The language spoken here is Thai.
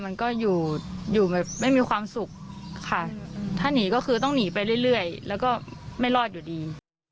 มันก็อยู่อยู่แบบไม่มีความสุขค่ะถ้าหนีก็คือต้องหนีไปเรื่อยแล้วก็ไม่รอดอยู่ดี